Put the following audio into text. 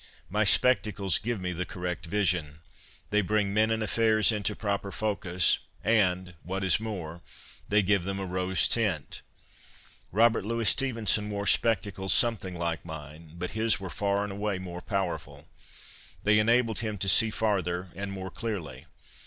My spectacles give me the correct vision. They bring men and affairs into proper focus, and, what is more, they give them a rose tint. Robert Louis Stevenson wore spectacles something like mine, but his were far and away more powerful. They enabled him to see farther and more clearly.